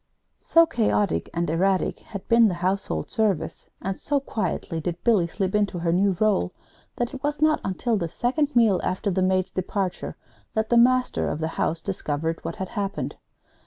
So chaotic and erratic had been the household service, and so quietly did Billy slip into her new role, that it was not until the second meal after the maid's departure that the master of the house discovered what had happened.